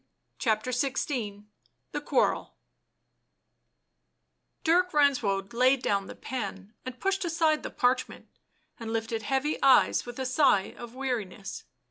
CHAPTER XVI THE QUARREL Dirk Renswoude laid down the pen and pushed aside the parchment, and lifted heavy eyes with a sigh of weariness.